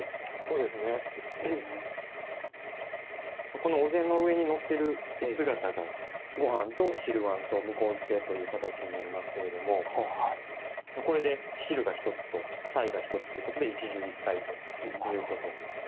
この御膳の上にのってる姿がご飯と汁碗と向付という形になりますけれどもこれで汁が一つと菜が一つということで一汁一菜ということになります。